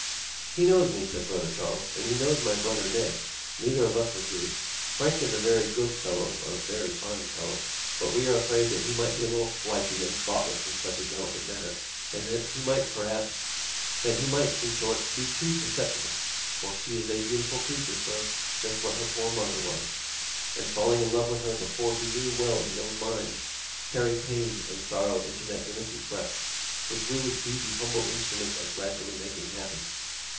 'He knows me,' said brother Charles, 'and he knows my brother Ned. Neither of us would do. Frank is a very good fellow a very fine fellow but we are afraid that he might be a little flighty and thoughtless in such a delicate matter, and that he might, perhaps that he might, in short, be too susceptible (for she is a beautiful creature, sir; just what her poor mother was), and falling in love with her before he knew well his own mind, carry pain and sorrow into that innocent breast, which we would be the humble instruments of gradually making happy.